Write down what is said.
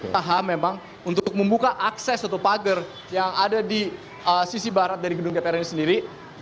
taha memang untuk membuka akses atau pagar yang ada di sisi barat dari gedung dpr ini sendiri